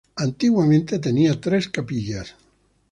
Antiguamente tenía tres capillas.